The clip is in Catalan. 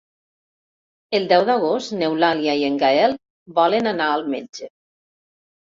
El deu d'agost n'Eulàlia i en Gaël volen anar al metge.